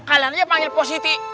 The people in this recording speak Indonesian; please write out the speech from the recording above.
kalian aja panggil positi